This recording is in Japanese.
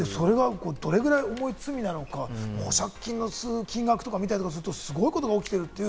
どれぐらい重い罪なのか、保釈金の金額なんかを見たりすると、すごいことが起きてる。